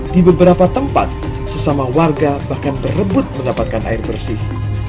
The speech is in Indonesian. di beberapa tempat sesama warga bahkan berebut mendapatkan air bersih